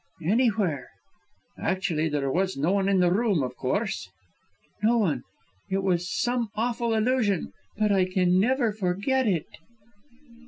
"Anywhere!" "Actually, there was no one in the room, of course?" "No one. It was some awful illusion; but I can never forget it."